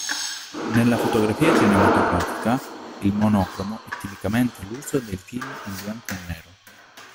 Nella fotografia cinematografica, il monocromo è tipicamente l'uso dei film in bianco e nero.